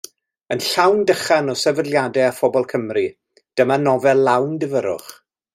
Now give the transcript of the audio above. Yn llawn dychan o sefydliadau a phobl Cymru, dyma nofel lawn difyrrwch.